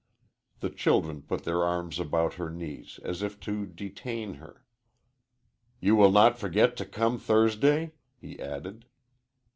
The children put their arms about her knees as if to detain her. "You will not forget to come Thursday?" he added.